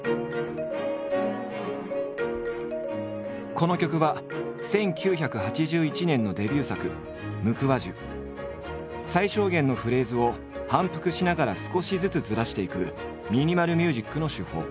この曲は１９８１年のデビュー作最小限のフレーズを反復しながら少しずつずらしていくミニマル・ミュージックの手法。